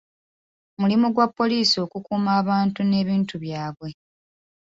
Mulimu gwa poliisi okukuuma abantu n'ebintu byabwe.